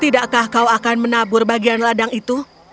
tidakkah kau akan menabur bagian ladang itu